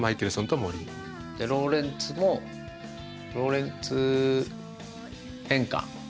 ローレンツもローレンツ変換。